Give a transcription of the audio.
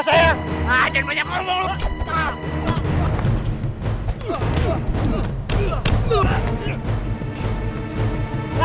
sampai jumpa di video selanjutnya